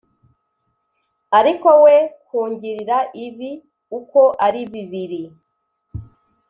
Ariko we kungirira ibi uko ari bibiri